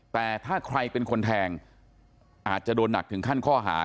แต่ถ้าใครเป็นคนแทงอาจจะโดนหนักถึงขั้นข้อหา